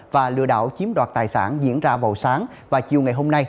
và lừa đảo chiếm đoạt tài sản diễn ra vào sáng và chiều ngày hôm nay